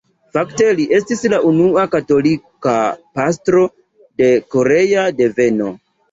Fakte li estis la unua katolika pastro de korea deveno.